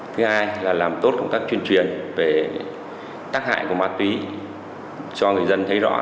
thứ hai là làm tốt công tác tuyên truyền về tác hại của ma túy cho người dân thấy rõ